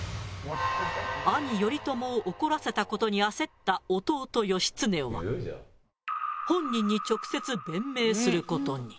兄頼朝を怒らせた事に焦った弟義経は本人に直接弁明する事に。